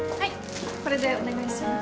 これでお願いします